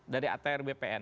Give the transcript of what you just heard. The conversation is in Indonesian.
dari atr bpn